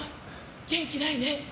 元気ないね。